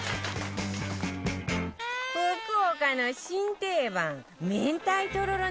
福岡の新定番明太とろろ